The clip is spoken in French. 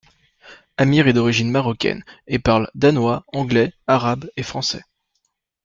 Amir est d'origine Marocaine, et parle danois, anglais, arabe, et français.